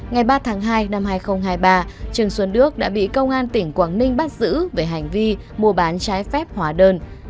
ngày ba tháng hai năm hai nghìn hai mươi ba trần xuân đức đã bị công an tỉnh quảng ninh bắt giữ về hành vi mua bán trái phép hóa đơn